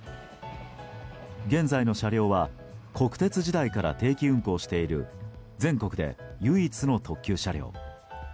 現在の車両は国鉄時代から定期運行している全国で唯一の特急車両。